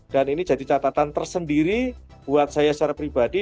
dan ini jadi catatan tersendiri buat saya secara pribadi